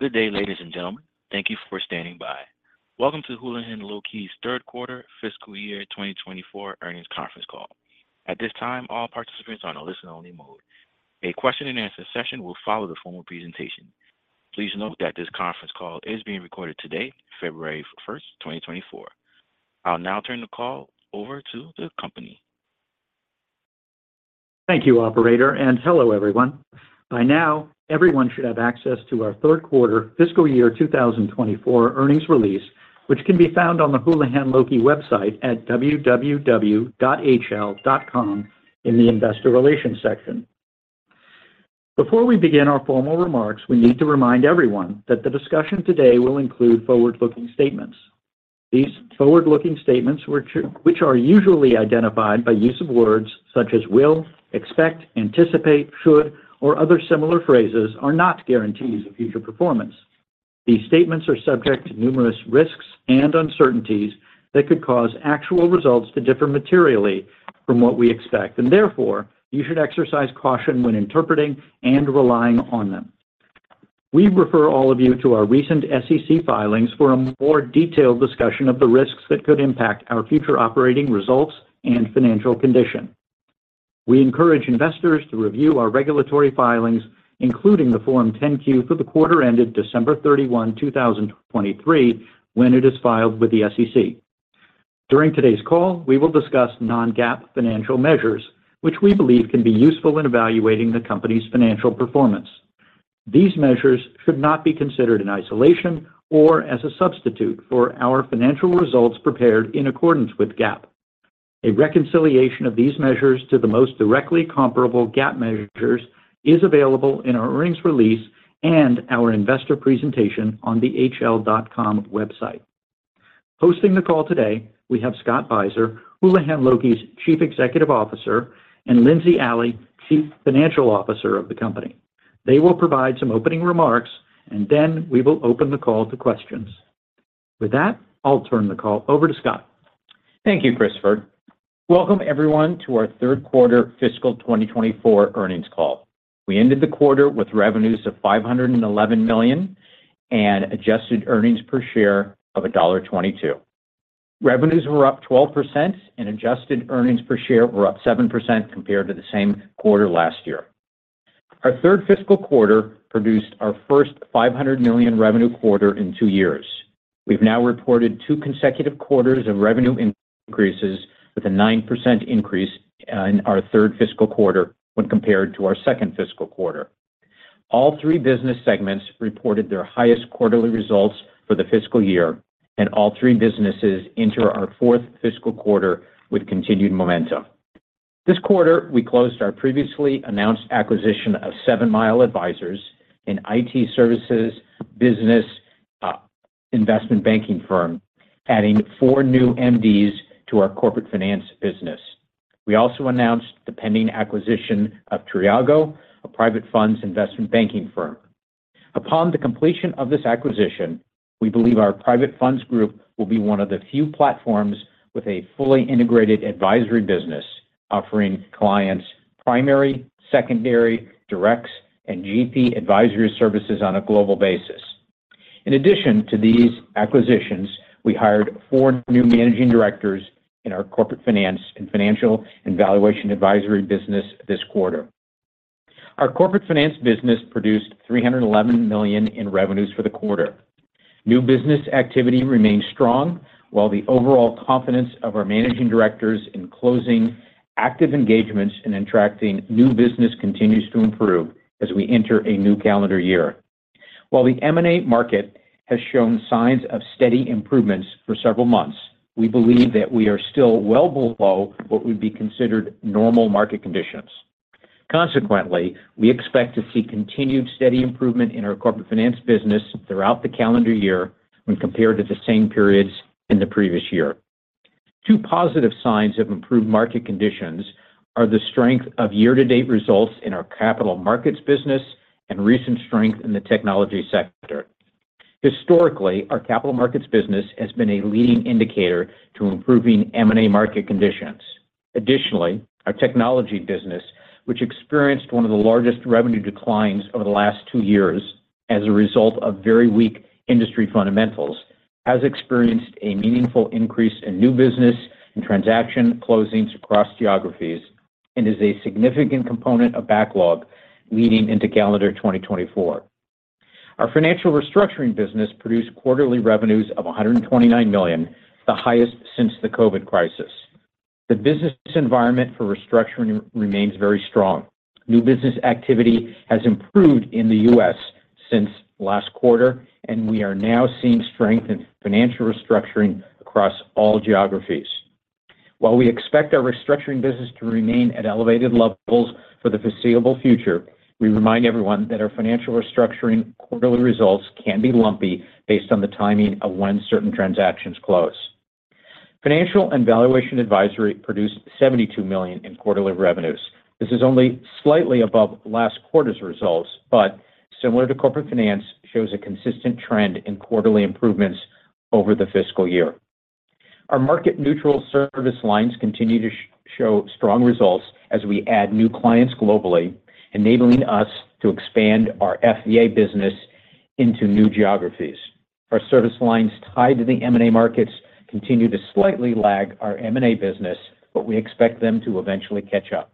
Good day, ladies and gentlemen. Thank you for standing by. Welcome to Houlihan Lokey's Q3 fiscal year 2024 earnings conference call. At this time, all participants are on a listen-only mode. A question-and-answer session will follow the formal presentation. Please note that this conference call is being recorded today, February 1, 2024. I'll now turn the call over to the company. Thank you, operator, and hello, everyone. By now, everyone should have access to our Q3 fiscal year 2024 earnings release, which can be found on the Houlihan Lokey website at www.hl.com in the Investor Relations section. Before we begin our formal remarks, we need to remind everyone that the discussion today will include forward-looking statements. These forward-looking statements, which are usually identified by use of words such as will, expect, anticipate, should, or other similar phrases, are not guarantees of future performance. These statements are subject to numerous risks and uncertainties that could cause actual results to differ materially from what we expect, and therefore, you should exercise caution when interpreting and relying on them. We refer all of you to our recent SEC filings for a more detailed discussion of the risks that could impact our future operating results and financial condition. We encourage investors to review our regulatory filings, including the Form 10-Q for the quarter ended December 31, 2023, when it is filed with the SEC. During today's call, we will discuss non-GAAP financial measures, which we believe can be useful in evaluating the company's financial performance. These measures should not be considered in isolation or as a substitute for our financial results prepared in accordance with GAAP. A reconciliation of these measures to the most directly comparable GAAP measures is available in our earnings release and our investor presentation on the hl.com website. Hosting the call today, we have Scott Beiser, Houlihan Lokey's Chief Executive Officer, and Lindsey Alley, Chief Financial Officer of the company. They will provide some opening remarks, and then we will open the call to questions. With that, I'll turn the call over to Scott. Thank you, Christopher. Welcome, everyone, to our Q3 fiscal 2024 earnings call. We ended the quarter with revenues of $511 million and adjusted earnings per share of $1.22. Revenues were up 12% and adjusted earnings per share were up 7% compared to the same quarter last year. Our third fiscal quarter produced our first $500 million revenue quarter in 2 years. We've now reported 2 consecutive quarters of revenue increases, with a 9% increase in our third fiscal quarter when compared to our second fiscal quarter. All three business segments reported their highest quarterly results for the fiscal year, and all three businesses enter our fourth fiscal quarter with continued momentum. This quarter, we closed our previously announced acquisition of 7 Mile Advisors, an IT services business, investment banking firm, adding four new MDs to our corporate finance business. We also announced the pending acquisition of Triago, a private funds investment banking firm. Upon the completion of this acquisition, we believe our private funds group will be one of the few platforms with a fully integrated advisory business, offering clients primary, secondary, directs, and GP advisory services on a global basis. In addition to these acquisitions, we hired four new managing directors in our corporate finance and financial and valuation advisory business this quarter. Our corporate finance business produced $311 million in revenues for the quarter. New business activity remains strong, while the overall confidence of our managing directors in closing active engagements and attracting new business continues to improve as we enter a new calendar year. While the M&A market has shown signs of steady improvements for several months, we believe that we are still well below what would be considered normal market conditions. Consequently, we expect to see continued steady improvement in our Corporate Finance business throughout the calendar year when compared to the same periods in the previous year. Two positive signs of improved market conditions are the strength of year-to-date results in our capital markets business and recent strength in the technology sector. Historically, our capital markets business has been a leading indicator to improving M&A market conditions. Additionally, our technology business, which experienced one of the largest revenue declines over the last two years as a result of very weak industry fundamentals, has experienced a meaningful increase in new business and transaction closings across geographies and is a significant component of backlog leading into calendar 2024. Our Financial Restructuring business produced quarterly revenues of $129 million, the highest since the COVID crisis. The business environment for restructuring remains very strong. New business activity has improved in the U.S. since last quarter, and we are now seeing strength in Financial Restructuring across all geographies. While we expect our restructuring business to remain at elevated levels for the foreseeable future, we remind everyone that our Financial Restructuring quarterly results can be lumpy based on the timing of when certain transactions close. Financial and Valuation Advisory produced $72 million in quarterly revenues. This is only slightly above last quarter's results, but similar to Corporate Finance, shows a consistent trend in quarterly improvements over the fiscal year. Our market neutral service lines continue to show strong results as we add new clients globally, enabling us to expand our FVA business into new geographies. Our service lines tied to the M&A markets continue to slightly lag our M&A business, but we expect them to eventually catch up.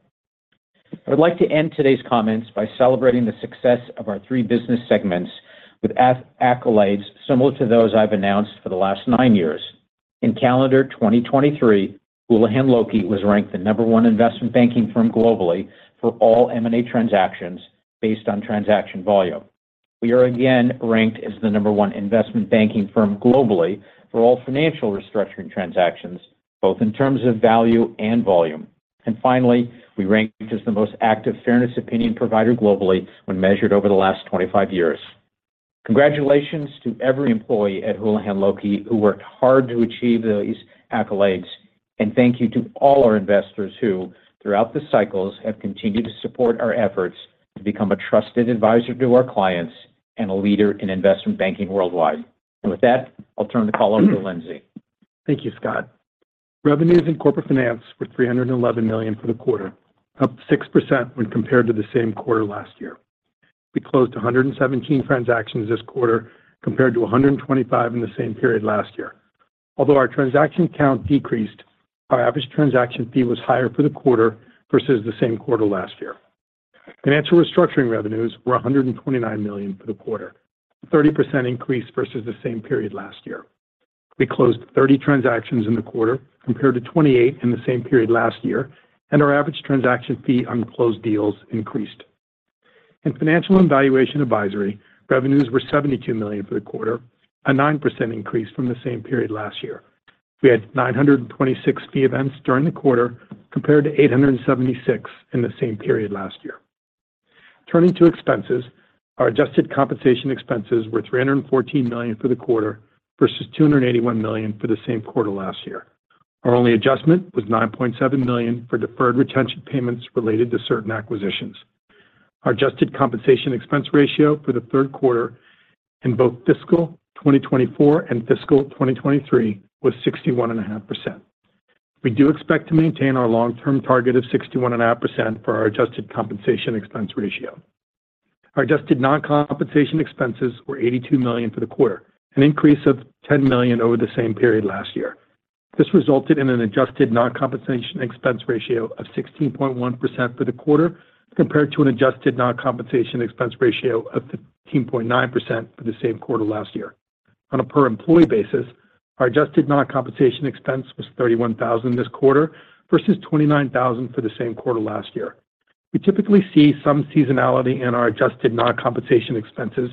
I'd like to end today's comments by celebrating the success of our three business segments with accolades similar to those I've announced for the last 9 years. In calendar 2023, Houlihan Lokey was ranked the number one investment banking firm globally for all M&A transactions based on transaction volume. We are again ranked as the number one investment banking firm globally for all Financial Restructuring transactions, both in terms of value and volume. And finally, we ranked as the most active fairness opinion provider globally when measured over the last 25 years. Congratulations to every employee at Houlihan Lokey who worked hard to achieve these accolades, and thank you to all our investors who, throughout the cycles, have continued to support our efforts to become a trusted advisor to our clients and a leader in investment banking worldwide. With that, I'll turn the call over to Lindsey. Thank you, Scott. Revenues in Corporate Finance were $311 million for the quarter, up 6% when compared to the same quarter last year. We closed 117 transactions this quarter, compared to 125 in the same period last year. Although our transaction count decreased, our average transaction fee was higher for the quarter versus the same quarter last year. Financial Restructuring revenues were $129 million for the quarter, 30% increase versus the same period last year. We closed 30 transactions in the quarter, compared to 28 in the same period last year, and our average transaction fee on closed deals increased. In Financial and Valuation Advisory, revenues were $72 million for the quarter, a 9% increase from the same period last year. We had 926 fee events during the quarter, compared to 876 in the same period last year. Turning to expenses, our adjusted compensation expenses were $314 million for the quarter versus $281 million for the same quarter last year. Our only adjustment was $9.7 million for deferred retention payments related to certain acquisitions. Our Adjusted Compensation Expense Ratio for the Q3 in both fiscal 2024 and fiscal 2023 was 61.5%. We do expect to maintain our long-term target of 61.5% for our Adjusted Compensation Expense Ratio. Our adjusted non-compensation expenses were $82 million for the quarter, an increase of $10 million over the same period last year. This resulted in an adjusted non-compensation expense ratio of 16.1% for the quarter, compared to an adjusted non-compensation expense ratio of 15.9% for the same quarter last year. On a per employee basis, our adjusted non-compensation expense was $31,000 this quarter versus $29,000 for the same quarter last year. We typically see some seasonality in our adjusted non-compensation expenses,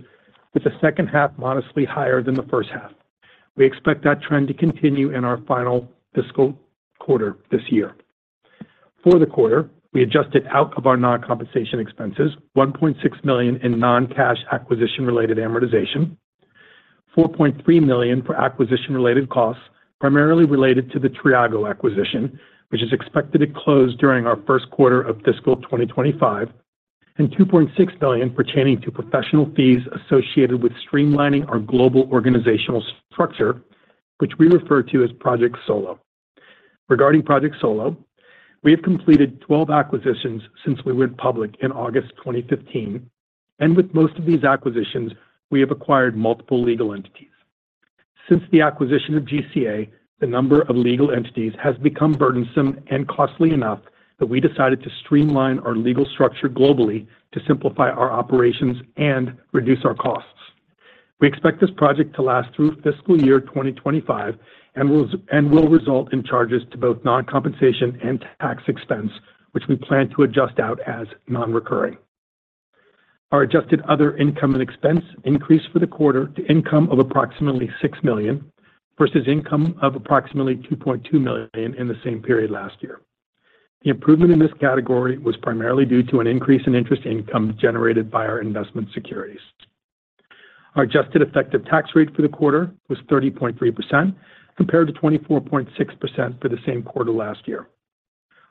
with the second half modestly higher than the first half. We expect that trend to continue in our final fiscal quarter this year. For the quarter, we adjusted out of our non-compensation expenses, $1.6 million in non-cash acquisition-related amortization, $4.3 million for acquisition-related costs, primarily related to the Triago acquisition, which is expected to close during our Q1 of fiscal 2025, and $2.6 million pertaining to professional fees associated with streamlining our global organizational structure, which we refer to as Project Solo. Regarding Project Solo, we have completed 12 acquisitions since we went public in August 2015, and with most of these acquisitions, we have acquired multiple legal entities. Since the acquisition of GCA, the number of legal entities has become burdensome and costly enough that we decided to streamline our legal structure globally to simplify our operations and reduce our costs. We expect this project to last through fiscal year 2025 and will result in charges to both non-compensation and tax expense, which we plan to adjust out as non-recurring. Our adjusted other income and expense increased for the quarter to income of approximately $6 million, versus income of approximately $2.2 million in the same period last year. The improvement in this category was primarily due to an increase in interest income generated by our investment securities. Our adjusted effective tax rate for the quarter was 30.3%, compared to 24.6% for the same quarter last year.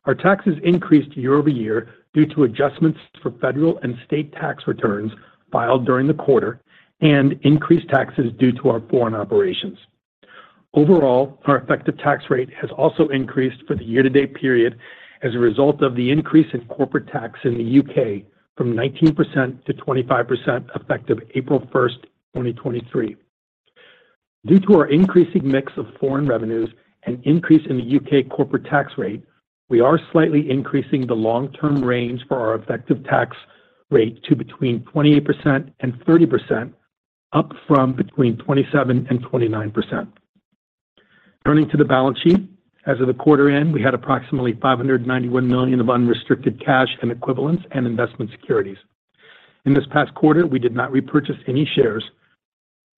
Our taxes increased year-over-year due to adjustments for federal and state tax returns filed during the quarter and increased taxes due to our foreign operations. Overall, our effective tax rate has also increased for the year-to-date period as a result of the increase in corporate tax in the U.K. from 19% to 25%, effective April 1, 2023. Due to our increasing mix of foreign revenues and increase in the U.K. corporate tax rate, we are slightly increasing the long-term range for our effective tax rate to between 28% and 30%, up from between 27% and 29%. Turning to the balance sheet. As of the quarter end, we had approximately $591 million of unrestricted cash and equivalents and investment securities. In this past quarter, we did not repurchase any shares.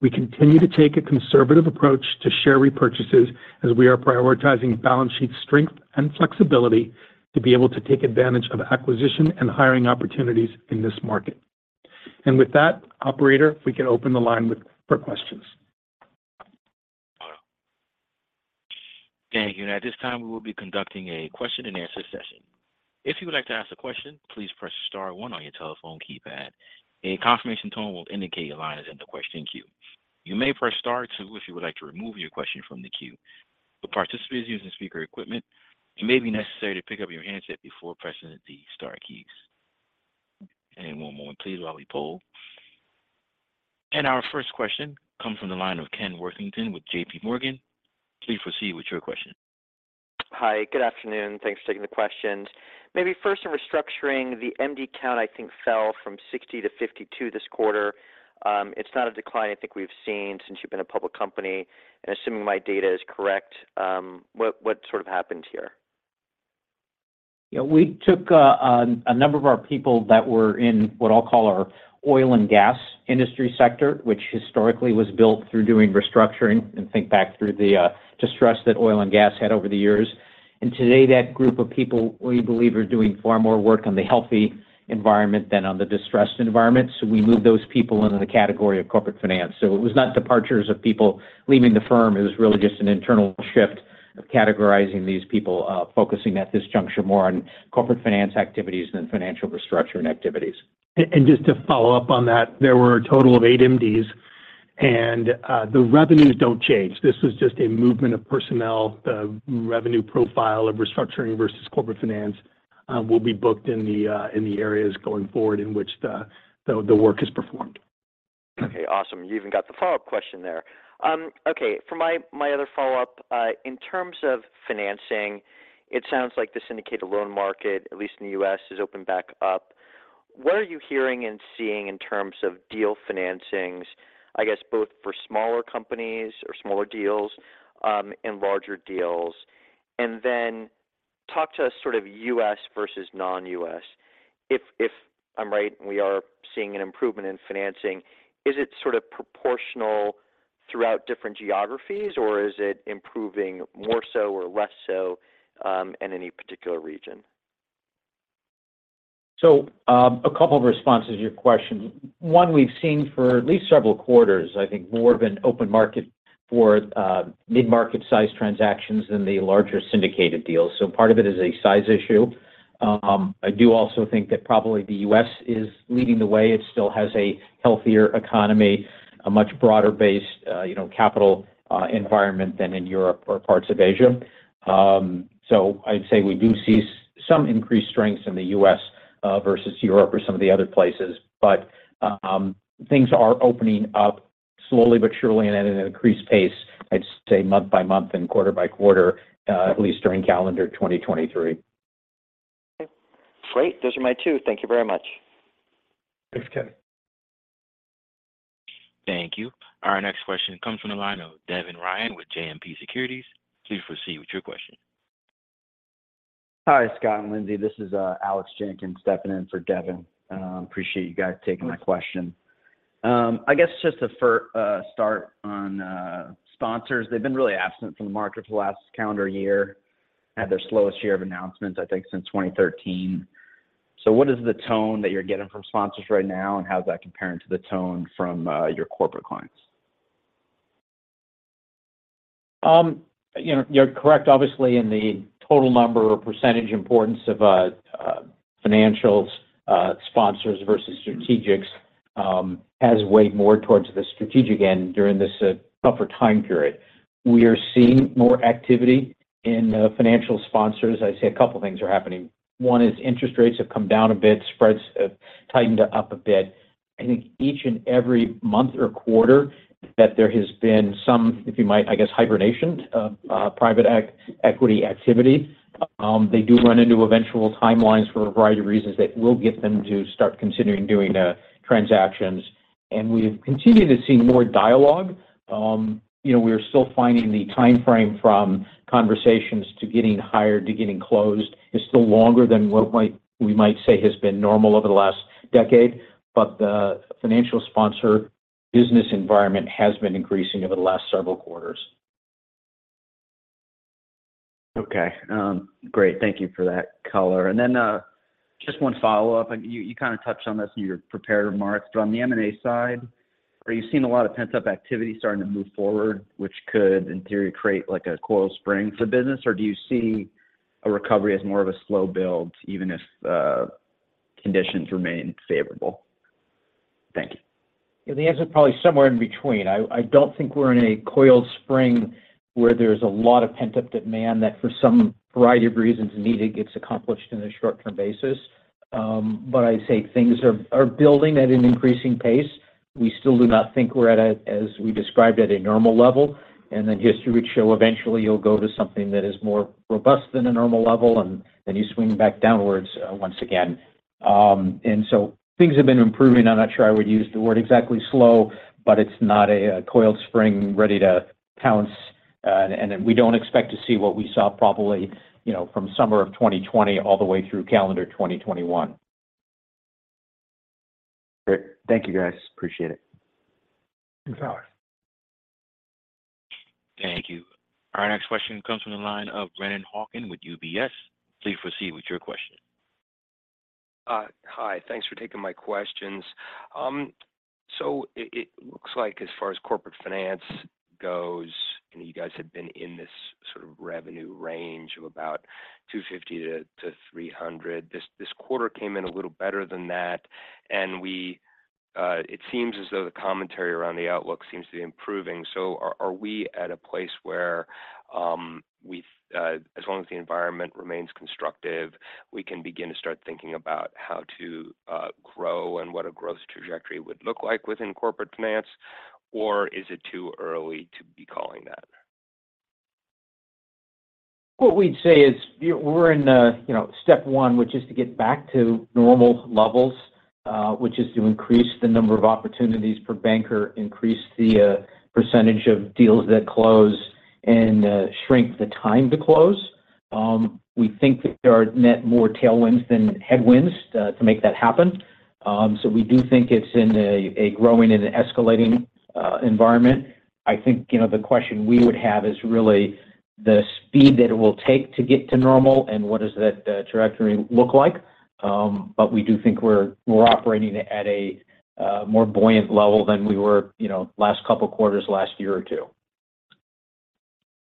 We continue to take a conservative approach to share repurchases, as we are prioritizing balance sheet strength and flexibility to be able to take advantage of acquisition and hiring opportunities in this market. With that, operator, we can open the line for questions. Thank you. Now, at this time, we will be conducting a question-and-answer session. If you would like to ask a question, please press * one on your telephone keypad. A confirmation tone will indicate your line is in the question queue. You may press * two if you would like to remove your question from the queue. For participants using speaker equipment, it may be necessary to pick up your handset before pressing the star keys. One moment please while we poll. Our first question comes from the line of Ken Worthington with JP Morgan. Please proceed with your question. Hi, good afternoon. Thanks for taking the questions. Maybe first in restructuring, the MD count, I think, fell from 60 to 52 this quarter. It's not a decline I think we've seen since you've been a public company. And assuming my data is correct, what, what sort of happened here? Yeah, we took a number of our people that were in what I'll call our oil and gas industry sector, which historically was built through doing restructuring, and think back through the distress that oil and gas had over the years. And today, that group of people, we believe, are doing far more work on the healthy environment than on the distressed environment. So we moved those people into the category of Corporate Finance. So it was not departures of people leaving the firm, it was really just an internal shift of categorizing these people, focusing at this juncture more on Corporate Finance activities than Financial Restructuring activities. Just to follow up on that, there were a total of eight MDs, and the revenues don't change. This was just a movement of personnel. The revenue profile of Restructuring versus Corporate Finance will be booked in the areas going forward in which the work is performed. Okay, awesome. You even got the follow-up question there. Okay, for my, my other follow-up, in terms of financing, it sounds like the syndicated loan market, at least in the U.S., is opened back up. What are you hearing and seeing in terms of deal financings, I guess, both for smaller companies or smaller deals, and larger deals? And then talk to us sort of U.S. versus non-U.S. If, if I'm right, and we are seeing an improvement in financing, is it sort of proportional throughout different geographies, or is it improving more so or less so, in any particular region? So, a couple of responses to your question. One, we've seen for at least several quarters, I think more of an open market for, mid-market size transactions than the larger syndicated deals, so part of it is a size issue. I do also think that probably the U.S. is leading the way. It still has a healthier economy, a much broader base, you know, capital, environment than in Europe or parts of Asia. So I'd say we do see some increased strengths in the U.S., versus Europe or some of the other places. But, things are opening up slowly but surely and at an increased pace, I'd say month by month and quarter by quarter, at least during calendar 2023. Okay, great. Those are my two. Thank you very much. Thanks, Ken. Thank you. Our next question comes from the line of Devin Ryan with JMP Securities. Please proceed with your question. Hi, Scott and Lindsey. This is, Alex Jenkins stepping in for Devin. Appreciate you guys taking my question. I guess just to start on, sponsors, they've been really absent from the market for the last calendar year. Had their slowest year of announcements, I think, since 2013. So what is the tone that you're getting from sponsors right now, and how's that comparing to the tone from, your corporate clients? You know, you're correct, obviously, in the total number or percentage importance of financials, sponsors versus strategics, has weighed more towards the strategic end during this tougher time period. We are seeing more activity in financial sponsors. I'd say a couple of things are happening. One is interest rates have come down a bit, spreads have tightened up a bit. I think each and every month or quarter that there has been some, if you might, I guess hibernation, private equity activity, they do run into eventual timelines for a variety of reasons that will get them to start considering doing transactions. And we've continued to see more dialogue. You know, we're still finding the timeframe from conversations to getting hired, to getting closed, is still longer than what we might say has been normal over the last decade. But the financial sponsor business environment has been increasing over the last several quarters. Okay, great. Thank you for that color. And then, just one follow-up. You kind of touched on this in your prepared remarks, but on the M&A side, are you seeing a lot of pent-up activity starting to move forward, which could in theory create, like, a coiled spring for business, or do you see a recovery as more of a slow build, even if conditions remain favorable? Thank you. The answer is probably somewhere in between. I don't think we're in a coiled spring where there's a lot of pent-up demand that for some variety of reasons, needed gets accomplished in a short-term basis. But I'd say things are building at an increasing pace. We still do not think we're at a, as we described, at a normal level. And then history would show eventually you'll go to something that is more robust than a normal level, and then you swing back downwards once again. And so things have been improving. I'm not sure I would use the word exactly slow, but it's not a coiled spring ready to pounce. And we don't expect to see what we saw probably, you know, from summer of 2020 all the way through calendar 2021. Great. Thank you, guys. Appreciate it. Thanks, Alex. Thank you. Our next question comes from the line of Brennan Hawken with UBS. Please proceed with your question. Hi. Thanks for taking my questions. So it, it looks like as far as Corporate Finance goes, and you guys have been in this sort of revenue range of about $250-$300. This, this quarter came in a little better than that, and we, it seems as though the commentary around the outlook seems to be improving. So are, are we at a place where, we've, as long as the environment remains constructive, we can begin to start thinking about how to, grow and what a growth trajectory would look like within Corporate Finance? Or is it too early to be calling that? What we'd say is, we're in, you know, step one, which is to get back to normal levels, which is to increase the number of opportunities per banker, increase the percentage of deals that close, and shrink the time to close. We think that there are net more tailwinds than headwinds to make that happen. So we do think it's in a growing and escalating environment. I think, you know, the question we would have is really the speed that it will take to get to normal and what does that trajectory look like. But we do think we're operating at a more buoyant level than we were, you know, last couple quarters, last year or two.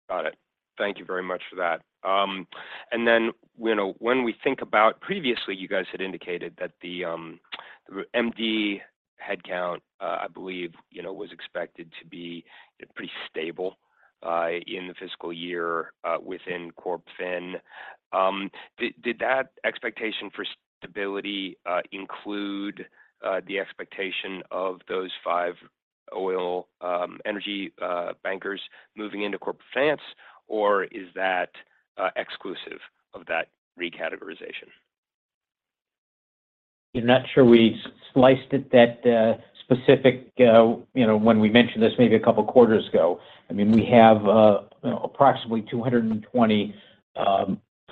Got it. Thank you very much for that. And then, you know, when we think about previously, you guys had indicated that the MD headcount, I believe, you know, was expected to be pretty stable in the fiscal year within Corp Fin. Did that expectation for stability include the expectation of those five oil, energy bankers moving into Corporate Finance? Or is that exclusive of that recategorization? I'm not sure we sliced it that specific, you know, when we mentioned this maybe a couple of quarters ago. I mean, we have approximately 220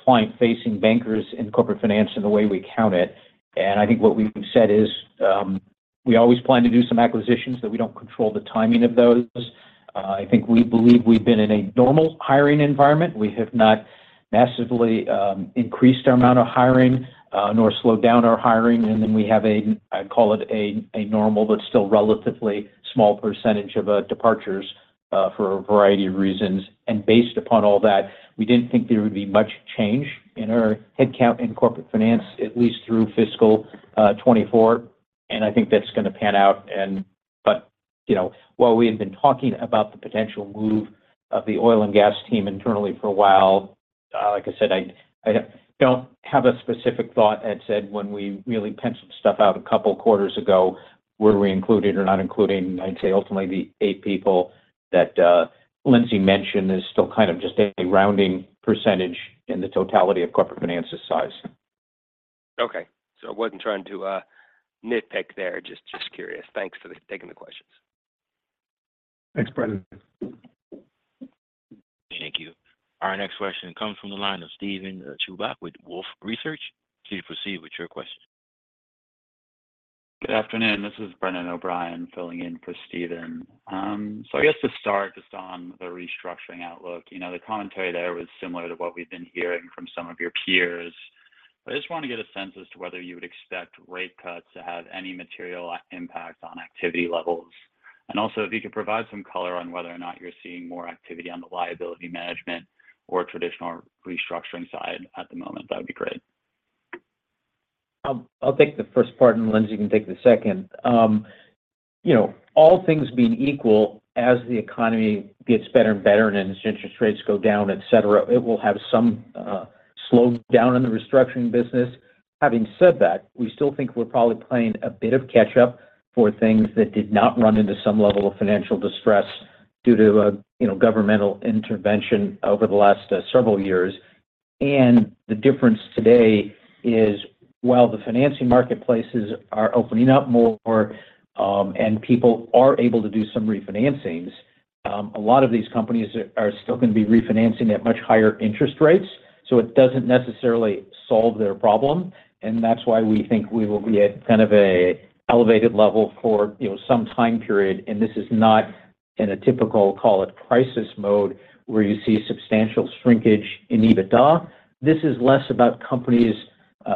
client-facing bankers in Corporate Finance in the way we count it. And I think what we've said is, we always plan to do some acquisitions, but we don't control the timing of those. I think we believe we've been in a normal hiring environment. We have not massively increased our amount of hiring, nor slowed down our hiring. And then we have a, I'd call it a normal, but still relatively small percentage of departures for a variety of reasons. And based upon all that, we didn't think there would be much change in our headcount in Corporate Finance, at least through fiscal 2024. I think that's gonna pan out. But, you know, while we have been talking about the potential move of the oil and gas team internally for a while, like I said, I don't have a specific thought that said when we really penciled stuff out a couple quarters ago, were we including or not including, I'd say ultimately, the eight people that Lindsey mentioned is still kind of just a rounding percentage in the totality of Corporate Finance's size. Okay. So I wasn't trying to nitpick there. Just curious. Thanks for taking the questions. Thanks, Brendan. Thank you. Our next question comes from the line of Steven Chubak with Wolfe Research. Please proceed with your question. Good afternoon. This is Brendan O'Brien, filling in for Steven. I guess to start, just on the restructuring outlook, you know, the commentary there was similar to what we've been hearing from some of your peers. But I just want to get a sense as to whether you would expect rate cuts to have any material impact on activity levels. And also, if you could provide some color on whether or not you're seeing more activity on the liability management or traditional restructuring side at the moment, that would be great. I'll take the first part, and Lindsey can take the second. You know, all things being equal, as the economy gets better and better and as interest rates go down, et cetera, it will have some slow down in the restructuring business. Having said that, we still think we're probably playing a bit of catch-up for things that did not run into some level of financial distress due to a, you know, governmental intervention over the last several years. And the difference today is, while the financing marketplaces are opening up more, and people are able to do some refinancings, a lot of these companies are still gonna be refinancing at much higher interest rates, so it doesn't necessarily solve their problem, and that's why we think we will be at kind of a elevated level for, you know, some time period. This is not in a typical, call it, crisis mode, where you see substantial shrinkage in EBITDA. This is less about companies,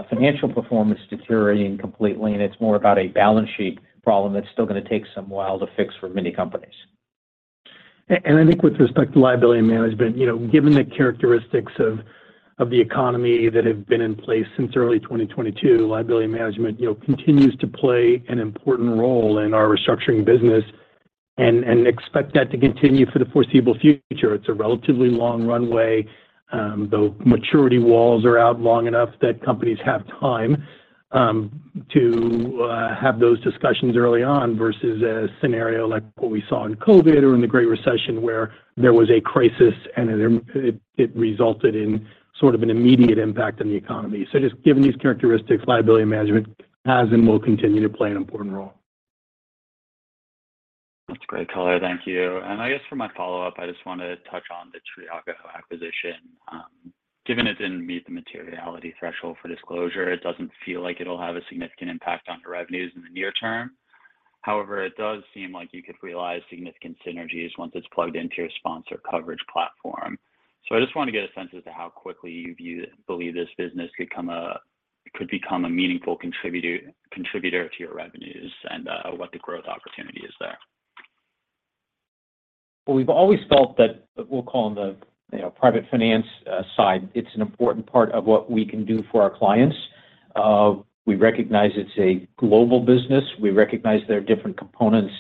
financial performance deteriorating completely, and it's more about a balance sheet problem that's still gonna take some while to fix for many companies. I think with respect to liability management, you know, given the characteristics of the economy that have been in place since early 2022, liability management, you know, continues to play an important role in our restructuring business, and expect that to continue for the foreseeable future. It's a relatively long runway. The maturity walls are out long enough that companies have time to have those discussions early on versus a scenario like what we saw in COVID or in the Great Recession, where there was a crisis and it resulted in sort of an immediate impact on the economy. So just given these characteristics, liability management has and will continue to play an important role. That's great color. Thank you. I guess for my follow-up, I just want to touch on the Triago acquisition. Given it didn't meet the materiality threshold for disclosure, it doesn't feel like it'll have a significant impact on the revenues in the near term. however, it does seem like you could realize significant synergies once it's plugged into your sponsor coverage platform. So I just want to get a sense as to how quickly you believe this business could become a meaningful contributor to your revenues, and what the growth opportunity is there. Well, we've always felt that, we'll call them the, you know, private finance side. It's an important part of what we can do for our clients. We recognize it's a global business. We recognize there are different components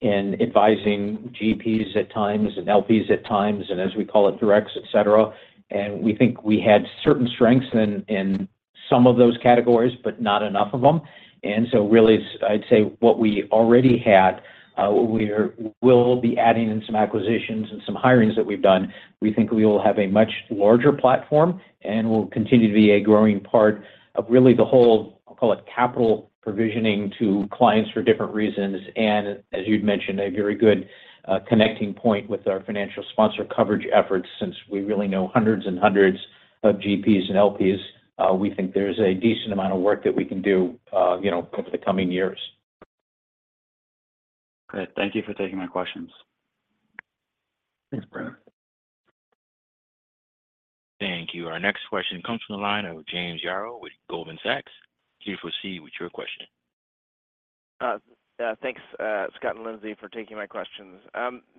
in advising GPs at times and LPs at times, and as we call it, directs, et cetera. And we think we had certain strengths in some of those categories, but not enough of them. And so really, I'd say what we already had, we'll be adding in some acquisitions and some hirings that we've done. We think we will have a much larger platform, and we'll continue to be a growing part of really the whole, I'll call it, capital provisioning to clients for different reasons. As you'd mentioned, a very good connecting point with our financial sponsor coverage efforts, since we really know hundreds and hundreds of GPs and LPs. We think there's a decent amount of work that we can do, you know, over the coming years. Great. Thank you for taking my questions. Thanks, Brendan. Thank you. Our next question comes from the line of James Yaro with Goldman Sachs. Please proceed with your question. Thanks, Scott and Lindsey, for taking my questions.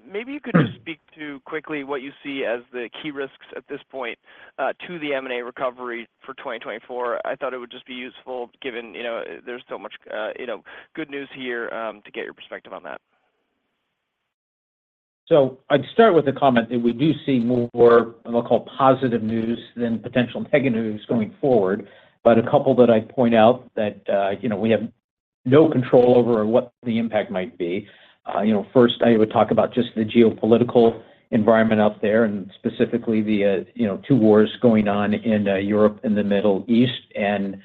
Maybe you could just speak to quickly what you see as the key risks at this point to the M&A recovery for 2024. I thought it would just be useful, given, you know, there's so much, you know, good news here to get your perspective on that. So I'd start with the comment that we do see more, what I call positive news than potential negative news going forward. But a couple that I point out that, you know, we have no control over what the impact might be. You know, first, I would talk about just the geopolitical environment out there, and specifically the, you know, two wars going on in Europe and the Middle East, and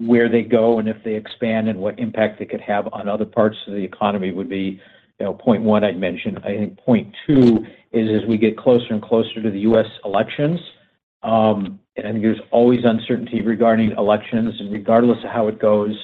where they go and if they expand, and what impact they could have on other parts of the economy would be, you know, point one I'd mention. I think point two is, as we get closer and closer to the U.S. elections, and I think there's always uncertainty regarding elections, and regardless of how it goes,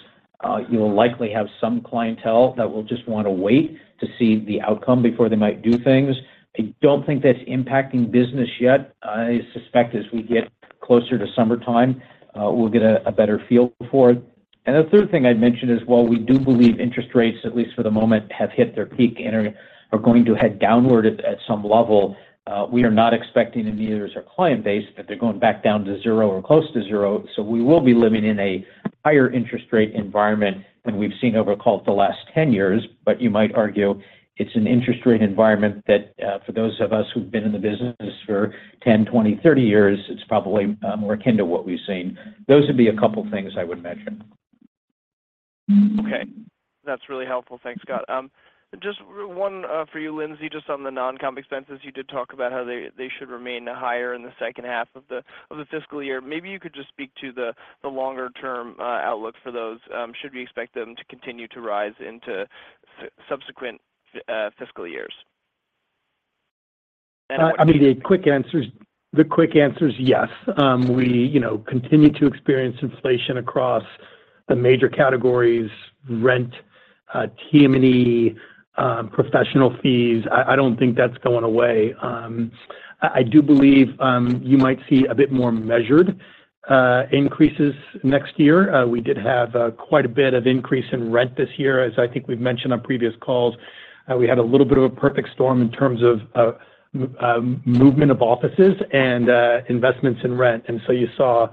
you'll likely have some clientele that will just want to wait to see the outcome before they might do things. I don't think that's impacting business yet. I suspect as we get closer to summertime, we'll get a better feel for it. And the third thing I'd mention is, while we do believe interest rates, at least for the moment, have hit their peak and are going to head downward at some level, we are not expecting in neither as a client base, that they're going back down to zero or close to zero. We will be living in a higher interest rate environment than we've seen over, call it, the last 10 years. You might argue it's an interest rate environment that, for those of us who've been in the business for 10, 20, 30 years, it's probably more akin to what we've seen. Those would be a couple of things I would mention. Okay, that's really helpful. Thanks, Scott. Just one for you, Lindsey, just on the non-comp expenses. You did talk about how they should remain higher in the second half of the fiscal year. Maybe you could just speak to the longer-term outlook for those. Should we expect them to continue to rise into subsequent fiscal years? I mean, the quick answer is, the quick answer is yes. We, you know, continue to experience inflation across the major categories: rent, TM&E, professional fees. I, I don't think that's going away. I, I do believe, you might see a bit more measured, increases next year. We did have, quite a bit of increase in rent this year. As I think we've mentioned on previous calls, we had a little bit of a perfect storm in terms of, movement of offices and, investments in rent, and so you saw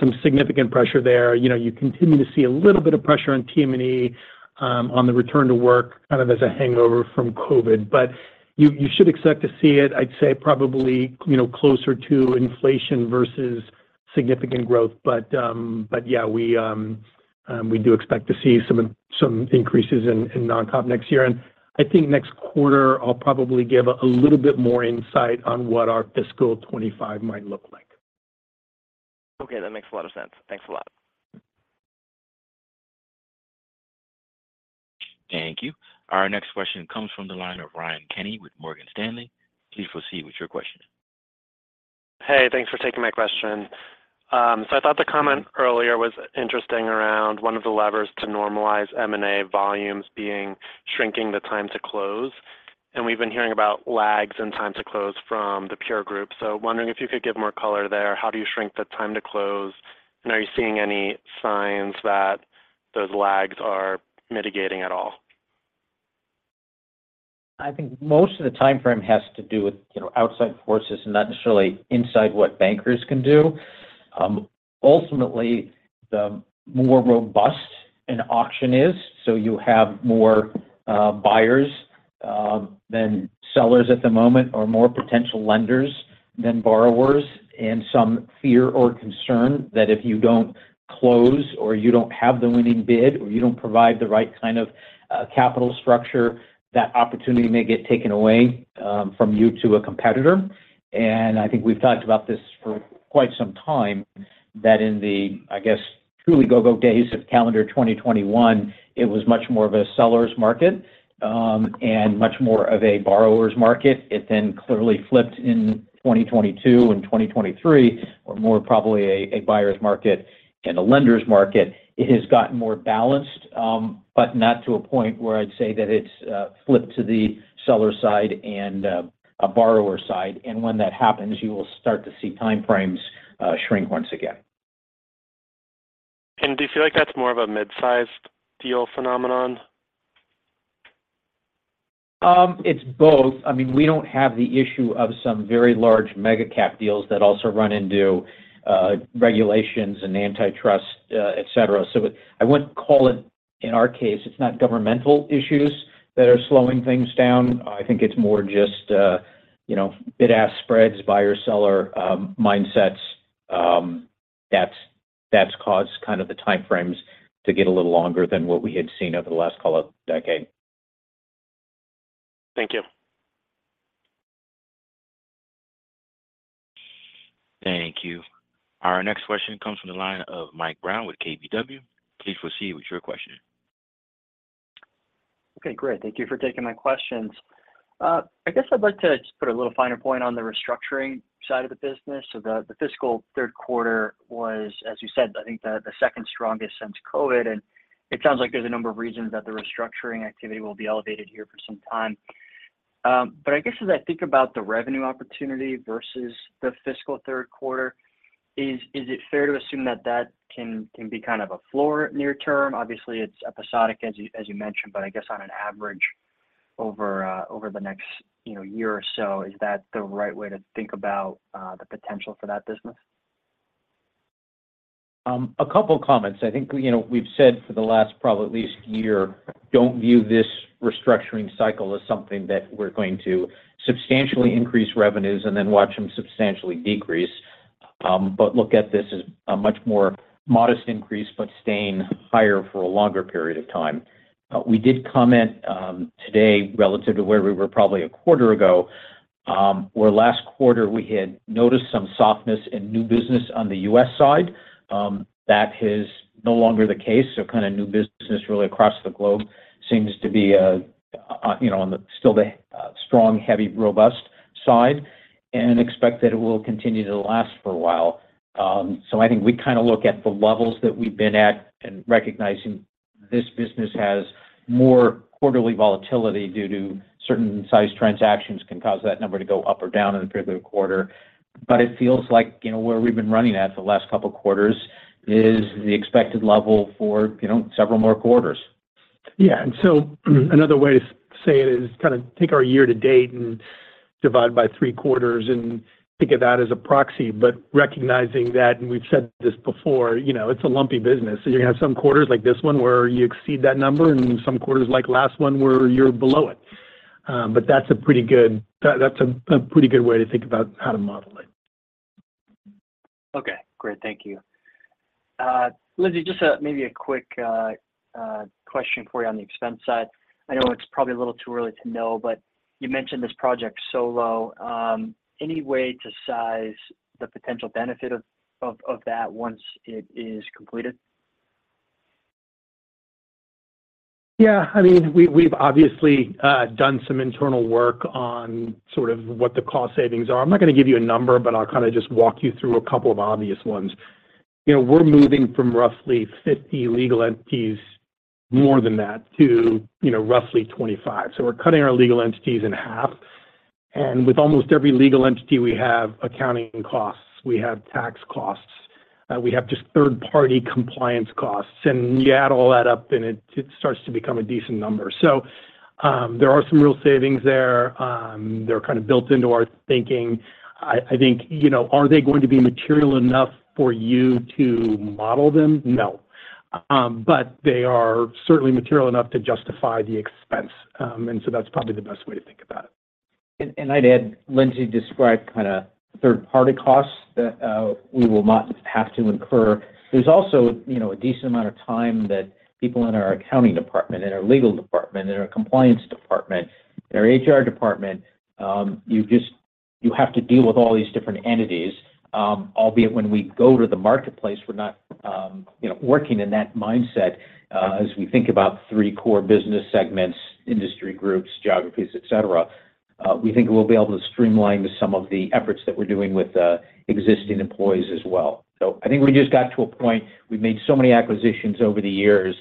some significant pressure there. You know, you continue to see a little bit of pressure on TM&E, on the return to work, kind of as a hangover from COVID. But you should expect to see it, I'd say, probably, you know, closer to inflation versus significant growth. But yeah, we do expect to see some increases in non-comp next year. And I think next quarter, I'll probably give a little bit more insight on what our fiscal 2025 might look like. Okay, that makes a lot of sense. Thanks a lot. Thank you. Our next question comes from the line of Ryan Kenny with Morgan Stanley. Please proceed with your question. Hey, thanks for taking my question. So I thought the comment earlier was interesting around one of the levers to normalize M&A volumes being shrinking the time to close. We've been hearing about lags and time to close from the peer group. Wondering if you could give more color there. How do you shrink the time to close, and are you seeing any signs that those lags are mitigating at all? I think most of the timeframe has to do with, you know, outside forces, not necessarily inside what bankers can do. Ultimately, the more robust an auction is, so you have more buyers than sellers at the moment, or more potential lenders than borrowers. And some fear or concern that if you don't close or you don't have the winning bid, or you don't provide the right kind of capital structure, that opportunity may get taken away from you to a competitor.... and I think we've talked about this for quite some time, that in the, I guess, truly go-go days of calendar 2021, it was much more of a seller's market and much more of a borrower's market. It then clearly flipped in 2022 and 2023, or more probably a buyer's market and a lender's market. It has gotten more balanced, but not to a point where I'd say that it's flipped to the seller side and a borrower side. And when that happens, you will start to see time frames shrink once again. Do you feel like that's more of a mid-sized deal phenomenon? It's both. I mean, we don't have the issue of some very large mega-cap deals that also run into regulations and antitrust, et cetera. So I wouldn't call it, in our case, it's not governmental issues that are slowing things down. I think it's more just you know, bid-ask spreads, buyer-seller mindsets, that's, that's caused kind of the time frames to get a little longer than what we had seen over the last couple of decade. Thank you. Thank you. Our next question comes from the line of Mike Brown with KBW. Please proceed with your question. Okay, great. Thank you for taking my questions. I guess I'd like to just put a little finer point on the restructuring side of the business. So the fiscal Q3 was, as you said, I think the second strongest since COVID, and it sounds like there's a number of reasons that the restructuring activity will be elevated here for some time. But I guess as I think about the revenue opportunity versus the fiscal Q3, is it fair to assume that that can be kind of a floor near term? Obviously, it's episodic, as you mentioned, but I guess on an average over over the next, you know, year or so, is that the right way to think about the potential for that business? A couple of comments. I think, you know, we've said for the last probably at least year, don't view this restructuring cycle as something that we're going to substantially increase revenues and then watch them substantially decrease. But look at this as a much more modest increase, but staying higher for a longer period of time. We did comment, today, relative to where we were probably a quarter ago, where last quarter we had noticed some softness in new business on the U.S. side. That is no longer the case. So new business really across the globe seems to be, on, you know, on the still the, strong, heavy, robust side, and expect that it will continue to last for a while. So I think we look at the levels that we've been at and recognizing this business has more quarterly volatility due to certain size transactions can cause that number to go up or down in a particular quarter. But it feels like, you know, where we've been running at the last couple of quarters is the expected level for, you know, several more quarters. Yeah. And so another way to say it is take our year to date and divide by three quarters and think of that as a proxy. But recognizing that, and we've said this before, you know, it's a lumpy business. So you're going to have some quarters like this one, where you exceed that number, and some quarters, like last one, where you're below it. But that's a pretty good way to think about how to model it. Okay, great. Thank you. Lindsey, just maybe a quick question for you on the expense side. I know it's probably a little too early to know, but you mentioned this Project Solo. Any way to size the potential benefit of that once it is completed? Yeah, I mean, we've obviously done some internal work on sort of what the cost savings are. I'm not going to give you a number, but I'll kind of just walk you through a couple of obvious ones. You know, we're moving from roughly 50 legal entities, more than that, to roughly 25, so we're cutting our legal entities in half. And with almost every legal entity, we have accounting costs, we have tax costs, we have just third-party compliance costs, and you add all that up, and it starts to become a decent number. So, there are some real savings there. They're kind of built into our thinking. I think, you know, are they going to be material enough for you to model them? No. But they are certainly material enough to justify the expense. and so that's probably the best way to think about it. I'd add, Lindsey described third-party costs that we will not have to incur. There's also, you know, a decent amount of time that people in our accounting department, in our legal department, in our compliance department, in our HR department, you have to deal with all these different entities. Albeit when we go to the marketplace, we're not, you know, working in that mindset. As we think about three core business segments, industry groups, geographies, et cetera, we think we'll be able to streamline some of the efforts that we're doing with the existing employees as well. I think we just got to a point, we've made so many acquisitions over the years,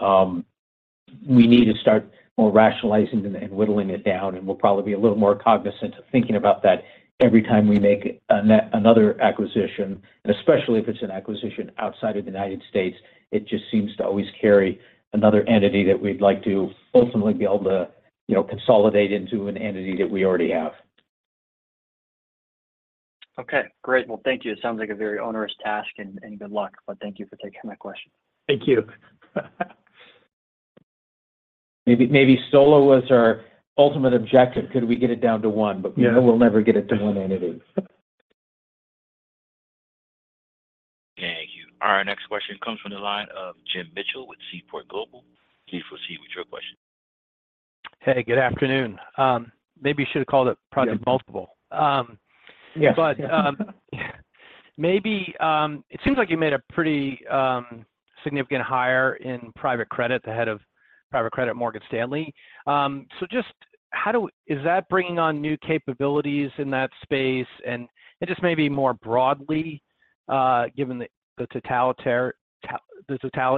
we need to start more rationalizing and whittling it down, and we'll probably be a little more cognizant of thinking about that every time we make another acquisition, especially if it's an acquisition outside of the United States. It just seems to always carry another entity that we'd like to ultimately be able to, you know, consolidate into an entity that we already have. Okay, great. Well, thank you. It sounds like a very onerous task, and good luck, but thank you for taking my question. Thank you. Maybe, maybe Solo was our ultimate objective. Could we get it down to one? Yeah. But we know we'll never get it to one entity.... Thank you. Our next question comes from the line of Jim Mitchell with Seaport Global. Please proceed with your question. Hey, good afternoon. Maybe you should have called it Project Multiple. Yes. But maybe it seems like you made a pretty significant hire in private credit, the head of private credit, Morgan Stanley. So just how is that bringing on new capabilities in that space? And just maybe more broadly, given the totality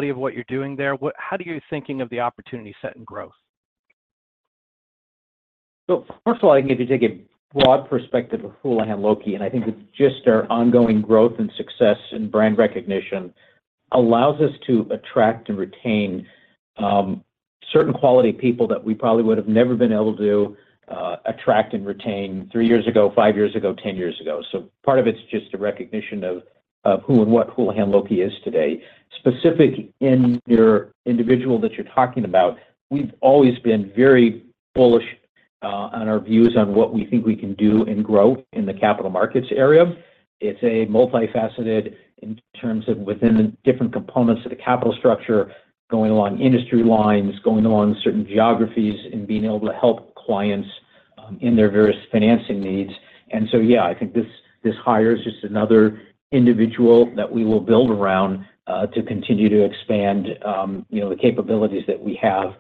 of what you're doing there, how are you thinking of the opportunity set and growth? So first of all, I can give you, take a broad perspective of Houlihan Lokey, and I think it's just our ongoing growth and success and brand recognition allows us to attract and retain certain quality people that we probably would have never been able to attract and retain three years ago, five years ago, 10 years ago. So part of it's just a recognition of who and what Houlihan Lokey is today. Specific in your individual that you're talking about, we've always been very bullish on our views on what we think we can do and grow in the capital markets area. It's a multifaceted in terms of within the different components of the capital structure, going along industry lines, going along certain geographies, and being able to help clients in their various financing needs. Yeah, I think this, this hire is just another individual that we will build around to continue to expand, you know, the capabilities that we have,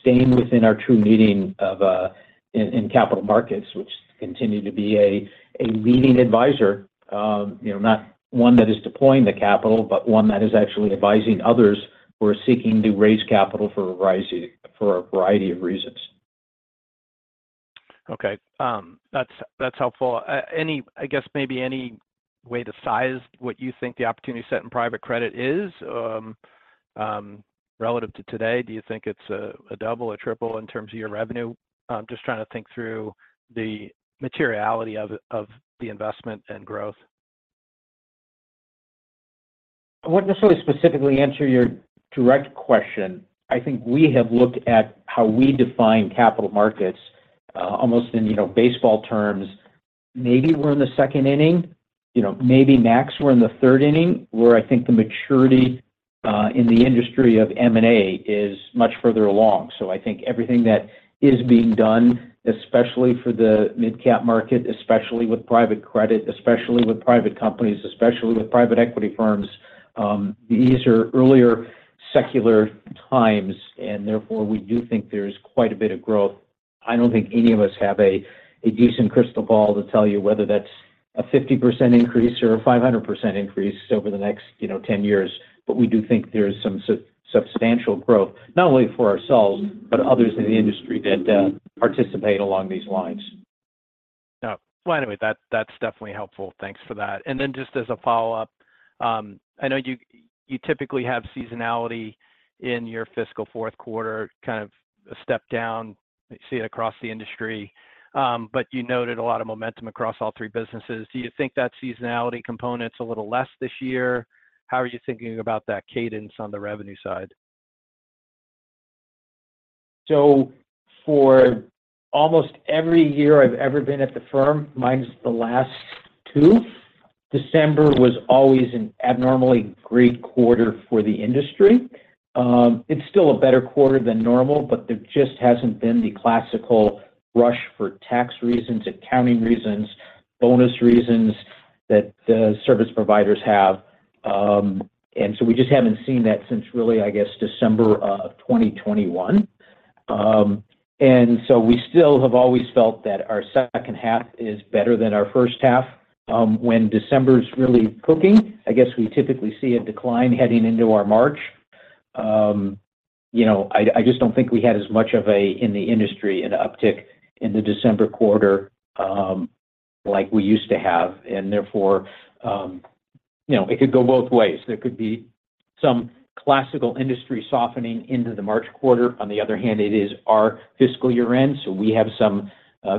staying within our true meeting of in capital markets, which continue to be a leading advisor. You know, not one that is deploying the capital, but one that is actually advising others who are seeking to raise capital for a variety of reasons. Okay, that's, that's helpful. I guess maybe any way to size what you think the opportunity set in private credit is, relative to today? Do you think it's a double or triple in terms of your revenue? Just trying to think through the materiality of the investment and growth. I won't necessarily specifically answer your direct question. I think we have looked at how we define capital markets, almost in, you know, baseball terms. Maybe we're in the second inning, you know, maybe max, we're in the third inning, where I think the maturity in the industry of M&A is much further along. So I think everything that is being done, especially for the midcap market, especially with private credit, especially with private companies, especially with private equity firms, these are earlier secular times, and therefore, we do think there is quite a bit of growth. I don't think any of us have a decent crystal ball to tell you whether that's a 50% increase or a 500% increase over the next, you know, 10 years. But we do think there is some substantial growth, not only for ourselves, but others in the industry that participate along these lines. Yeah. Well, anyway, that, that's definitely helpful. Thanks for that. And then just as a follow-up, I know you, you typically have seasonality in your fiscal Q4, kind of a step down. You see it across the industry, but you noted a lot of momentum across all three businesses. Do you think that seasonality component's a little less this year? How are you thinking about that cadence on the revenue side? So for almost every year I've ever been at the firm, minus the last two, December was always an abnormally great quarter for the industry. It's still a better quarter than normal, but there just hasn't been the classical rush for tax reasons, accounting reasons, bonus reasons that the service providers have. And so we just haven't seen that since really, I guess, December of 2021. And so we still have always felt that our second half is better than our first half. When December's really cooking, I guess we typically see a decline heading into our March. You know, I just don't think we had as much of a, in the industry, an uptick in the December quarter, like we used to have, and therefore, you know, it could go both ways. There could be some classical industry softening into the March quarter. On the other hand, it is our fiscal year end, so we have some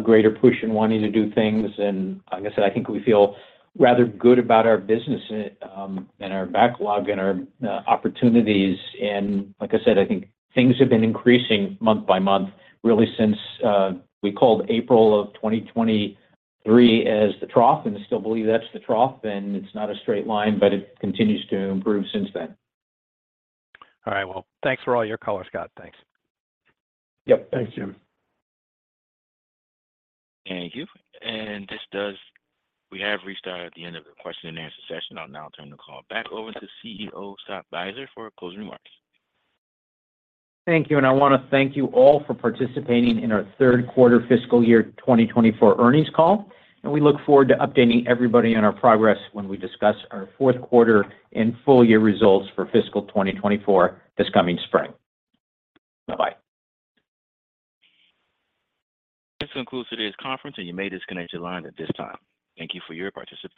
greater push in wanting to do things. And like I said, I think we feel rather good about our business, and our backlog and our opportunities. And like I said, I think things have been increasing month by month, really since we called April of 2023 as the trough, and I still believe that's the trough, and it's not a straight line, but it continues to improve since then. All right, well, thanks for all your color, Scott. Thanks. Yep. Thanks, Jim. Thank you. We have reached the end of the question and answer session. I'll now turn the call back over to CEO Scott Beiser for closing remarks. Thank you, and I want to thank you all for participating in our Q3 fiscal year 2024 earnings call. We look forward to updating everybody on our progress when we discuss our Q4 and full year results for fiscal 2024, this coming spring. Bye-bye. This concludes today's conference, and you may disconnect your line at this time. Thank you for your participation.